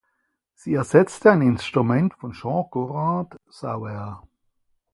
Sie ersetzte ein Instrument von Jean-Conrad Sauer.